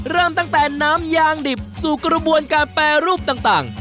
เริ่มตั้งแต่น้ำยางดิบสู่กระบวนการแปรรูปต่าง